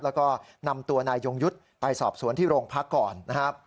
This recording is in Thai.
แล้วก็นำตัวนายยงยุทธ์ไปสอบสวนที่โรงพักก่อนนะครับ